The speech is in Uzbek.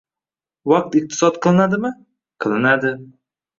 Vaqt iqtisod qilinadimi? Qilinadi!